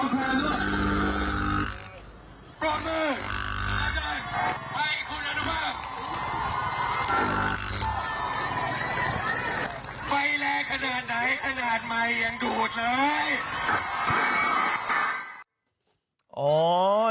ไฟแรงขนาดไหนขนาดใหม่ยังดูดเลย